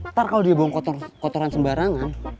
ntar kalau dia buang kotoran sembarangan